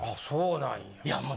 そうなんや。